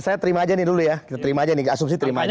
saya terima aja nih dulu ya kita terima aja nih asumsi terima aja